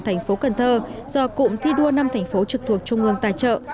thành phố cần thơ do cụm thi đua năm thành phố trực thuộc trung ương tài trợ